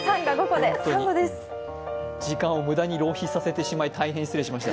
時間を無駄に浪費させてしまい、すみませんでした。